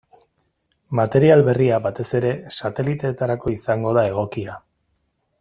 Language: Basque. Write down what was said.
Material berria batez ere sateliteetarako izango da egokia.